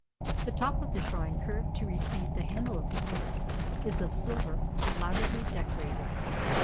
The top of the shrine, curved to receive the handle of the bell, is of silver elaborately decorated.